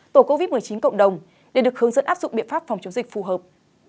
tổ covid một mươi chín cộng đồng để được hướng dẫn áp dụng biện pháp phòng chống dịch phù hợp